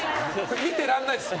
見てらんないですよ！